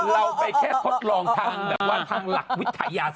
เราไปแค่ทดลองทางแบบว่าทางหลักวิทยาศาสตร์